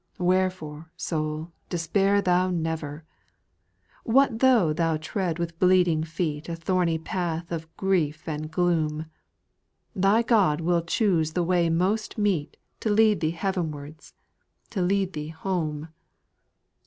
Wherefore, soul, despair thou never I What though thou tread with bleeding feet A thorny path of grief and gloom, Thy God will choose the way most meet To lead thee heavenwards — lead thee home.